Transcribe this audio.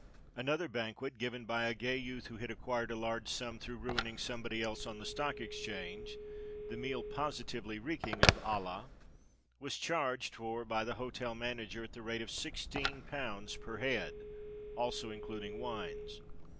Another banquet, given by a gay youth who had acquired a large sum through ruining somebody else on the Stock Exchange the meal positively reeking of Ala was charged for by the hotel manager at the rate of sixteen pounds per head, also including wines.